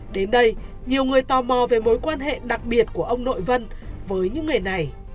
đến đây nhiều người tò mò về mối quan hệ đặc biệt của ông nội vân với những người này